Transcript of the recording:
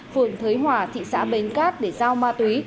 phường thới hòa thị xã bến cát để giao ma túy